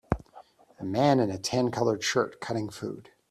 A man in a tan colored shirt cutting food